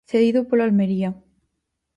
Cedido polo Almería.